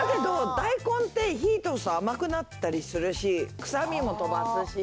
大根って火通すと甘くなったりするし臭みも飛ばすし。